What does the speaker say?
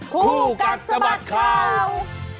คู่กัดสะบัดข่าว